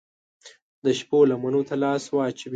د شپو لمنو ته لاس واچوي